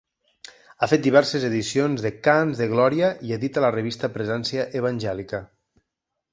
Ha fet diverses edicions de Cants de Glòria i edita la revista Presència Evangèlica.